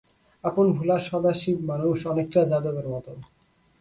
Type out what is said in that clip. আপনভোলা সদাশিব মানুষ, অনেকটা যাদবের মতো!